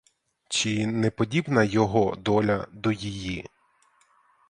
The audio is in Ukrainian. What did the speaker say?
Чи не подібна його доля до її?